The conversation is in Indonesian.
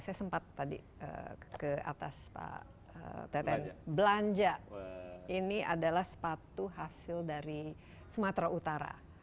saya sempat tadi ke atas pak teten belanja ini adalah sepatu hasil dari sumatera utara